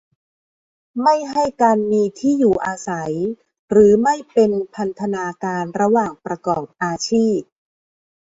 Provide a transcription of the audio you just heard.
ไม่ให้การมีที่อยู่อาศัยหรือไม่เป็นพันธนาการระหว่างประกอบอาชีพ